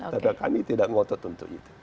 tapi kami tidak ngotot untuk itu